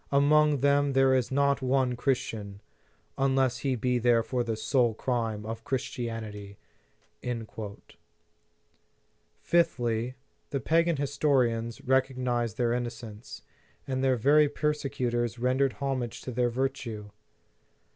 Among them there is not one Christian, unless he be there for the sole crime of Christianity. * Fifthly, the pagan historians recognized their innocence, and their very persecutors rendered homage to their virtue.